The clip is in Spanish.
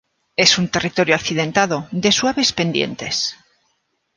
Es un territorio accidentado, de suaves pendientes.